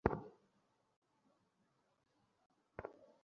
কিছু বিষয় কখনও না বদলালেই ভালো!